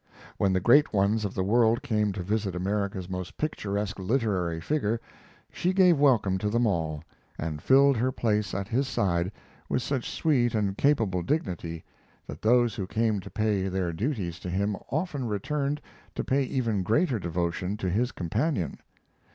When the great ones of the world came to visit America's most picturesque literary figure she gave welcome to them all, and filled her place at his side with such sweet and capable dignity that those who came to pay their duties to him often returned to pay even greater devotion to his companion.